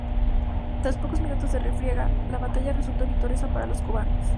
Tras pocos minutos de refriega, la batalla resultó victoriosa para los cubanos.